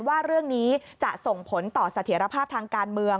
ว่าเรื่องนี้จะส่งผลต่อเสถียรภาพทางการเมือง